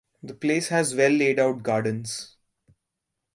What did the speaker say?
The place has well laid out gardens.